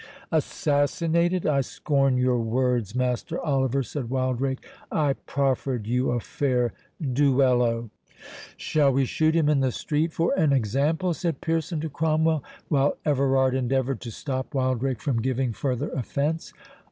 "Assassinated!—I scorn your words, Master Oliver," said Wildrake; "I proffered you a fair duello." "Shall we shoot him in the street, for an example?" said Pearson to Cromwell; while Everard endeavoured to stop Wildrake from giving further offence.